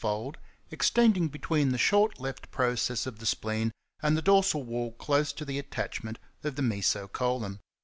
fold), extending between the short left process of the spleen and the dorsal wall close to the attachment of the meso colon.